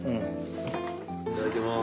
いただきます。